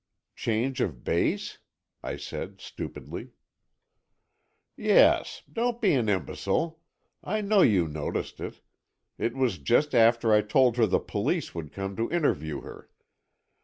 "Change of base?" I said, stupidly. "Yes. Don't be an imbecile. I know you noticed it. It was just after I told her the police would come to interview her.